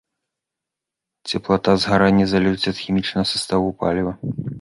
Цеплата згарання залежыць ад хімічнага саставу паліва.